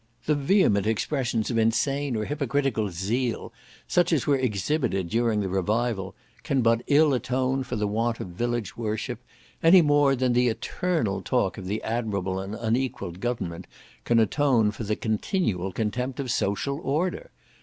The vehement expressions of insane or hypocritical zeal, such as were exhibited during "the Revival," can but ill atone for the want of village worship, any more than the eternal talk of the admirable and unequalled government, can atone for the continual contempt of social order.